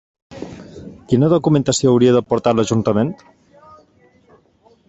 Quina documentació hauria de portar a l'Ajuntament?